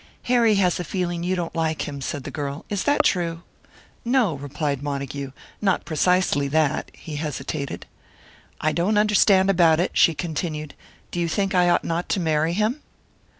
"Harry has a feeling you don't like him," said the girl. "Is that true?" "No," replied Montague, "not precisely that." He hesitated. "I don't understand about it," she continued. "Do you think I ought not to marry him?"